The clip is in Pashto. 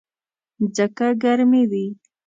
ځکه ګرمي وي.